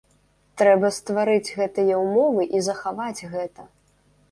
Трэба стварыць гэтыя ўмовы і захаваць гэта.